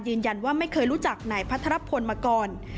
ยืนยันว่าไม่เคยรู้จักไหนพัทรพลมาก่อน